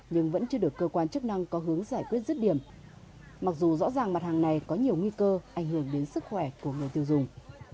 nhưng vẫn chưa được cơ quan chức năng có hướng giải quyết rứt điểm mặc dù rõ ràng mặt hàng này có nhiều nguy cơ ảnh hưởng đến sức khỏe của người tiêu dùng